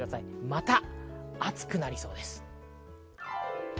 また暑くなりそうです。